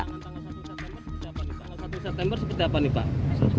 pada tanggal satu september seperti apa nih pak